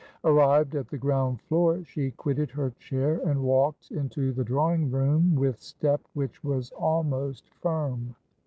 Arrived at the ground floor, she quitted her chair and walked into the drawing room with step which was almost firm.